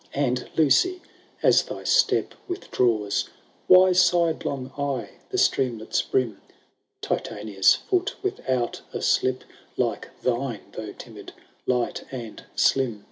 And, Lucy, as thy step withdraws, Why sidelong eye the streamlet's brim ? Titania^s foot without a slip. Like thine, though timid, light, and slim.